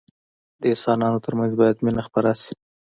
د انسانانو ترمنځ باید مينه خپره سي.